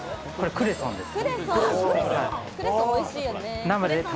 クレソンです。